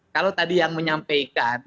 kalau tadi yang menyampaikan